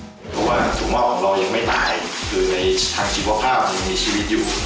ถทุวงอกเรายังไม่ตายคือในทางชีวภาพมันมีชีวิตอยู่